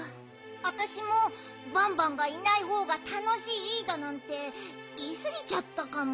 あたしもバンバンがいないほうがたのしいだなんていいすぎちゃったかも。